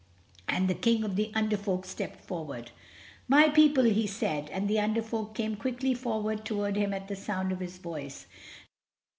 And the King of the Under Folk stepped forward. "My people," he said, and the Under Folk came quickly forward toward him at the sound of his voice.